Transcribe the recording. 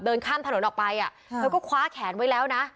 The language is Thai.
เดินข้ามถนนออกไปเธอก็คว้าแขนไว้แล้วนะ